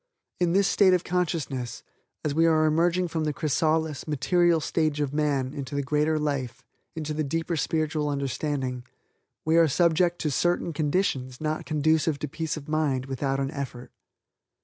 In this state of consciousness, as we are emerging from the chrysalis, material stage of man into the greater life, into the deeper spiritual understanding, we are subject to certain conditions not conducive to peace of mind without an effort.